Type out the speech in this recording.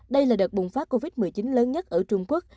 đây là đợt bùng phát covid một mươi chín lớn nhất ở trung quốc